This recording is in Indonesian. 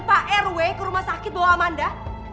pak rw ke rumah sakit bawa amanda